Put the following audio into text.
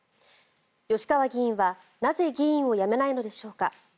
吉川議員は、なぜ議員を辞めないのでしょうか。